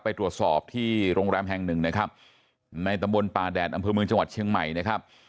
ไปตรวจสอบที่โรงแรมแห่งหนึ่งนะครับในตำบลป่าแดดอำเภอเมืองจังหวัดเชียงใหม่นะครับ